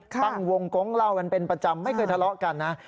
ตั้งวงกงเล่ากันเป็นประจำไม่เคยทะเลาะกันนะ